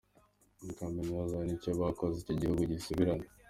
Ukamenya abaruzahuye n’icyo bakoze ngo igihugu gisubirane.